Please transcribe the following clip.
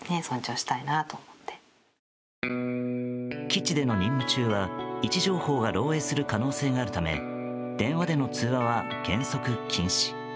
基地での任務中は位置情報が漏洩する可能性があるため電話での通話は原則、禁止。